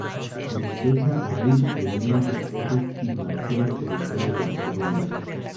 En respuesta, O'Neill reunió a sus fuerzas y marchó al territorio de O'Donnell.